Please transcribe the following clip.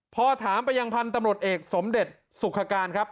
พอถามไปยังพันธุ์ตำรวจเอกสมเด็จสุขการครับ